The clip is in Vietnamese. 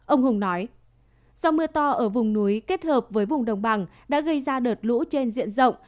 ông hùng nói do mưa to ở vùng núi kết hợp với vùng đồng bằng đã gây ra đợt lũ trên diện rộng